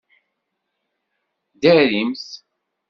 Ddarimt!